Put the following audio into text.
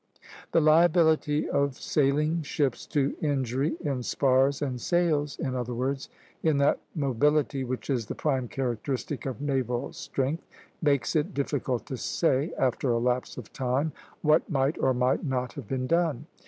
The liability of sailing ships to injury in spars and sails, in other words, in that mobility which is the prime characteristic of naval strength, makes it difficult to say, after a lapse of time, what might or might not have been done.